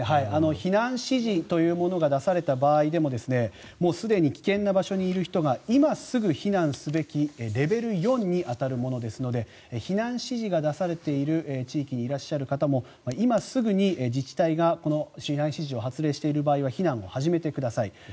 避難指示というものが出されて場合でもすでに危険な場所にいる人が今すぐ避難すべきレベル４に当たるものですので避難指示が出されている地域にいらっしゃる方も今すぐに自治体がこの避難指示を発令している場合は避難を始めてください。